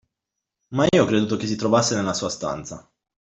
Ma io ho creduto che si trovasse nella sua stanza.